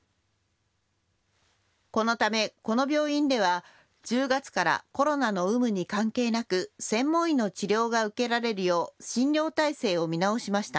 このためこの病院では１０月からコロナの有無に関係なく専門医の治療が受けられるよう診療体制を見直しました。